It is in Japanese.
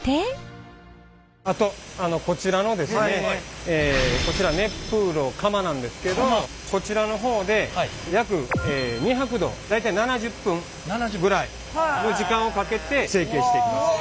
あとこちら熱風炉窯なんですけどこちらの方で約２００℃大体７０分ぐらいの時間をかけて成形していきます。